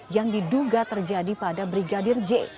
yang diduga terjadi pada brigadir j